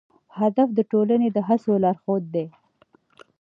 هدف د ټولنې د هڅو لارښود دی.